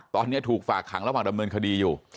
ตอนนี้ถูกฝากขังระหว่างดำเนินคดีอยู่